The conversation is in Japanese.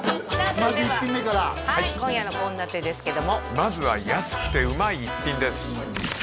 まず一品目からはい今夜の献立ですけどもまずは安くてうまい一品です